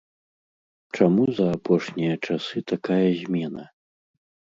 Чаму за апошнія часы такая змена?